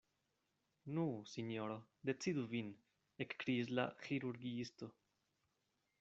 Nu, sinjoro, decidu vin, ekkriis la ĥirurgiisto.